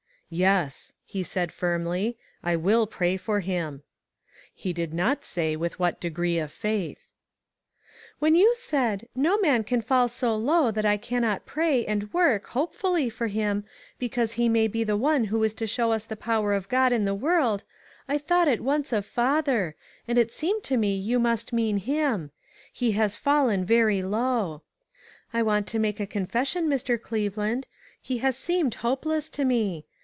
" Yes," he said firmly, " I will pray for him." He did not say with what degree of faith. 324 ONE COMMONPLACE DAY. " When you said, * No man can fall so low that I cannot pray, and work, hope fully for him, because he may be one who is to show us the power of God in the world,' I thought at once of father, and it seemed to me you must mean him. He has fallen very low. I want to make a confes sion, Mr. Cleveland; he has seemed hopeless to me.